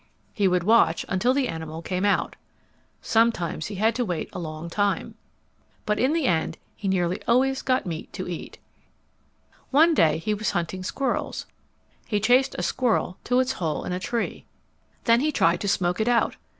He would watch until the animal came out. Sometimes he had to wait a long time. [Illustration: Bodo's club] But in the end he nearly always got meat to eat. One day he was hunting squirrels. He chased a squirrel to its hole in a tree. Then he tried to smoke it out.